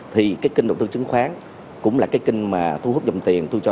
thì cái kinh đầu tư chứng khoán cũng là cái kinh mà thu hút dòng tiền